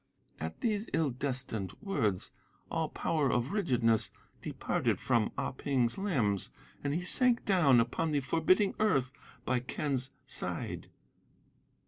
"At these ill destined words, all power of rigidness departed from Ah Ping's limbs, and he sank down upon the forbidding earth by Quen's side.